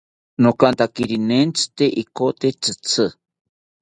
Nokantakiri nentzite ikote tzitzi